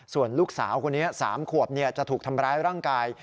ส่วนลูกสาวคนนี้๓ขวบจะถูกทำร้ายร่างกาย